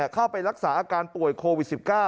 เข้าไปรักษาอาการป่วยโควิด๑๙